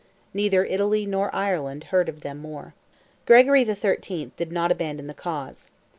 Neither Italy nor Ireland heard of them more. Gregory XIII. did not abandon the cause.